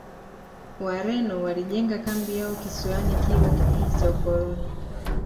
wareno walijenga kambi yao kisiwani kilwa kipindi cha ukoloni